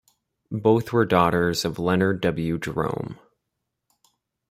Both were daughters of Leonard W. Jerome.